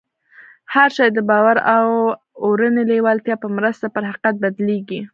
هر شی د باور او اورنۍ لېوالتیا په مرسته پر حقیقت بدلېږي